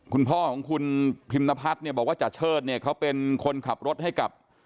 คุณพ่อของคุณพิมนภัฏบอกว่าจาเชิดเขาเป็นคนขับรถให้กับ